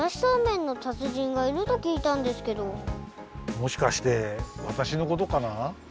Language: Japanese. もしかしてわたしのことかな？